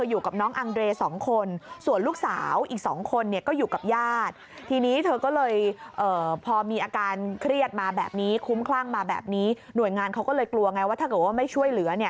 หน่วยงานเขาก็เลยกลัวไงว่าถ้าเกิดว่าไม่ช่วยเหลือ